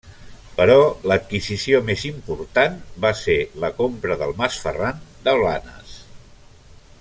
Però l’adquisició més important va ser la compra del Mas Ferran de Blanes.